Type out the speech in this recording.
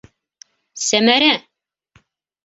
Сәмәрә!